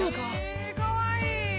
えかわいい。